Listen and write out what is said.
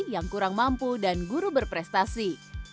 yang kurang mampu dan guru berprestasi